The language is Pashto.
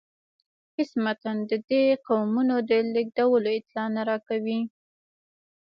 هیڅ متن د دې قومونو د لیږدیدلو اطلاع نه راکوي.